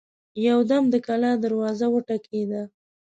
يودم د کلا دروازه وټکېده.